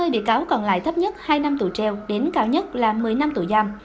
hai mươi bị cáo còn lại thấp nhất hai năm tù treo đến cao nhất là một mươi năm tù giam